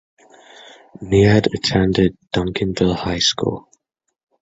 Nied attended Duncanville High School.